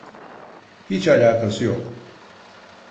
Hiç alakası yok.